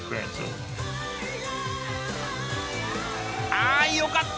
あよかった！